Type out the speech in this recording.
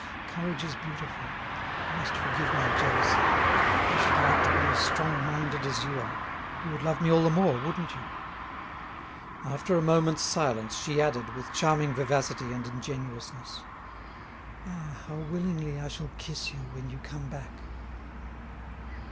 Courage is beautiful! You must forgive my jealousy. I should like to be as strong minded as you are. You would love me all the more, wouldn't you?" After a moment's silence she added, with charming vivacity and ingenuousness: "Ah, how willingly I shall kiss you when you come back!"